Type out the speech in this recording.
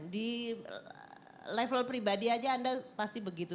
di level pribadi aja anda pasti begitu